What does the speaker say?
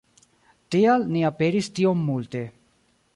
Tial ni aperis tiom multe.